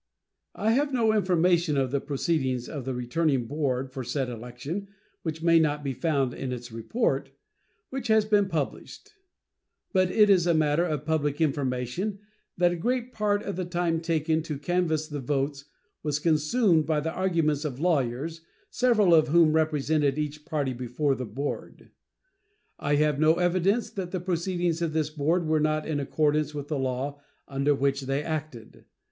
I have no information of the proceedings of the returning board for said election which may not be found in its report, which has been published; but it is a matter of public information that a great part of the time taken to canvass the votes was consumed by the arguments of lawyers, several of whom represented each party before the board. I have no evidence that the proceedings of this board were not in accordance with the law under which they acted.